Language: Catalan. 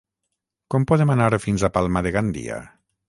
Com podem anar fins a Palma de Gandia?